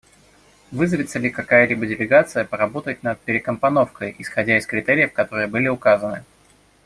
Вызовется ли какая-либо делегация поработать над перекомпоновкой исходя из критериев, которые были указаны?